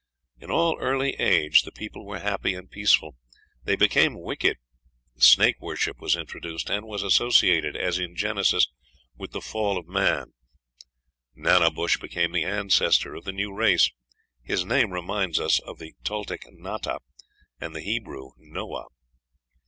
In an early age the people were happy and peaceful; they became wicked; "snake worship" was introduced, and was associated, as in Genesis, with the "fall of man;" Nana Bush became the ancestor of the new race; his name reminds us of the Toltec Nata and the Hebrew Noah.